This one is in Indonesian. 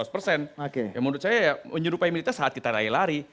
menurut saya menyerupai militer saat kita lari lari